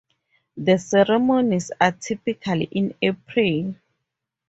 The ceremonies are typically in April.